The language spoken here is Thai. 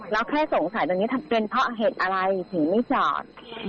แค่สงสัยตอนนี้ทำเป็นเพราะเหตุอะไรถึงไม่จอด